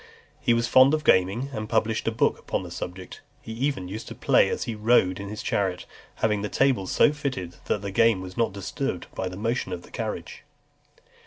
He was fond of gaming, and published a book upon the subject. He even used to play as he rode in his chariot, having the tables so fitted, that the game was not disturbed by the motion of the carriage.